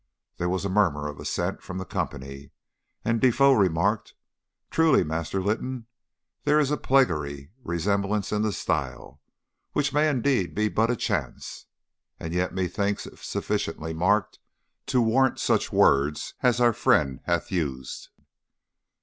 There was a murmur of assent from the company, and Defoe remarked, "Truly, Master Lytton, there is a plaguey resemblance in the style, which may indeed be but a chance, and yet methinks it is sufficiently marked to warrant such words as our friend hath used."